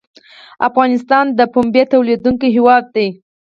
افغانستان د پنبې تولیدونکی هیواد دی